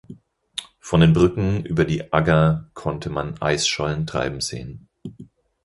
Von den Brücken über die Agger konnte man Eisschollen treiben sehen.